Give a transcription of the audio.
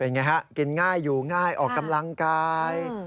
อย่างนี้ฮะกินง่ายอยู่ง่ายออกกำลังกาย